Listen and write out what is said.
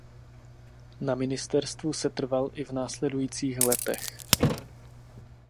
Na ministerstvu setrval i v následujících letech.